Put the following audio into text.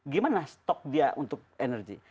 gimana stok dia untuk energi